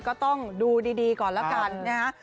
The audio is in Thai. ก็ต้องดูดีก่อนแล้วกันนะฮะ